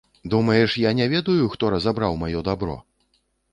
Думаеш, я не ведаю, хто разабраў маё дабро?